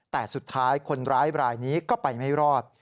แต่สุดท้ายคนร้ายบรายนี้ก็ไปไม่รอด